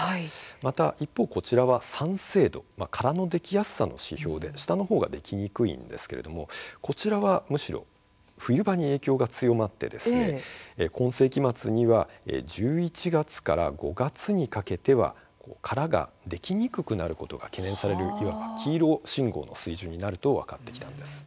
また一方こちらは酸性度殻のできやすさの指標で下のほうができにくいんですがこちらはむしろ冬場に影響が強まって今世紀末には１１月から５月にかけては殻ができにくくなることが懸念される、いわゆる黄色信号の水準になると分かってきたんです。